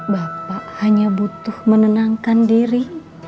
bapak hanya butuh menenangkan diri